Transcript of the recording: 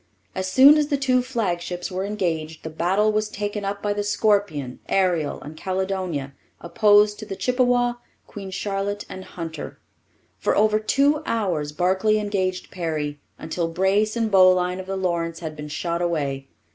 As soon as the two flagships were engaged, the battle was taken up by the Scorpion, Ariel, and Caledonia opposed to the Chippewa, Queen Charlotte, and Hunter. For over two hours Barclay engaged Perry, until brace and bowline of the Lawrence had been shot away.